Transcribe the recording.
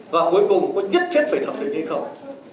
và cuối cùng có nhất thiết phải thẩm định hay không